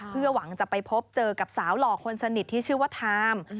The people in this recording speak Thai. เพื่อหวังจะไปพบเจอกับสาวหล่อคนสนิทที่ชื่อว่าทาม